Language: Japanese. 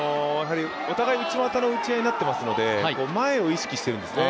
お互いに内股の打ち合いになっていますので前を意識しているんですね。